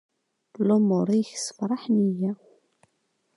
Lumuṛ-ik ssefraḥen-iyi.